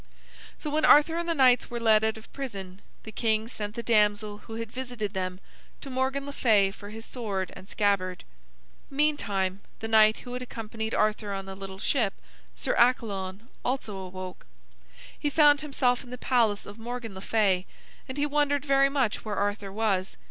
So when Arthur and the knights were led out of prison, the king sent the damsel who had visited them to Morgan le Fay for his sword and scabbard. Meantime, the knight who had accompanied Arthur on the little ship, Sir Accalon, also awoke. He found himself in the palace of Morgan le Fay, and he wondered very much where Arthur was.